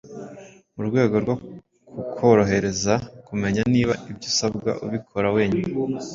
Mu rwego rwo kukorohereza kumenya niba ibyo usabwa ubikora wenyine,